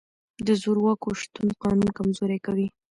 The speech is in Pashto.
د زورواکو شتون قانون کمزوری کوي.